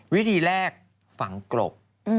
วิธีแรกฝังกรบ